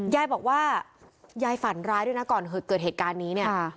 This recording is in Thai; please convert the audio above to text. ยายบอกว่ายายฝันร้ายด้วยนะก่อนเกิดเหตุการณ์นี้เนี่ย